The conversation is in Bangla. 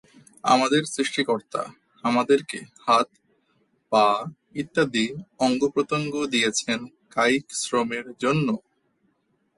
আমাদের সৃষ্টিকর্তা আমাদেরকে হাত, পা ইত্যাদি অঙ্গ-প্রত্যঙ্গ দিয়েছেন কায়িক শ্রমের জন্য।